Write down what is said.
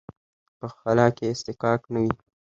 په خلا کې اصطکاک نه وي.